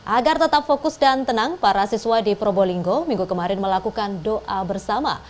agar tetap fokus dan tenang para siswa di probolinggo minggu kemarin melakukan doa bersama